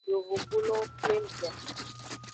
Yovogbulowo pleng bia.